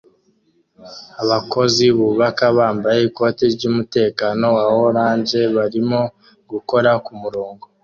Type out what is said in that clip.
Abakozi bubaka bambaye ikoti ryumutekano wa orange barimo gukora kumurongo